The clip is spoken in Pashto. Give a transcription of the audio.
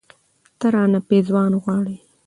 ، ته رانه پېزوان غواړې